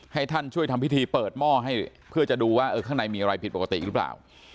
ให้ท่านช่วยทำพิธีเปิดหม้อให้เพื่อจะดูว่าเออข้างในมีอะไรผิดปกติหรือเปล่า